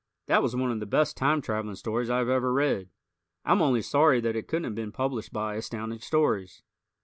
That was one of the best time traveling stories I have ever read. I'm only sorry that it couldn't have been published by Astounding Stories.